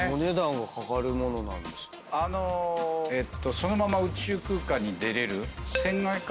そのまま宇宙空間に出れる。